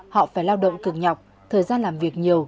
họ phải lao động cực nhọc thời gian làm việc nhiều